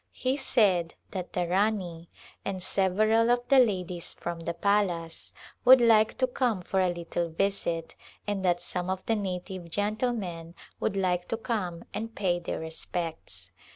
He said that the Rani and several of the ladies from the palace would like to come for a little visit, and that some of the native gentlemen would like to come and pay their respects.